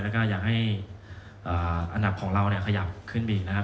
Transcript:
แล้วก็อยากให้อันดับของเราขยับขึ้นไปอีกนะครับ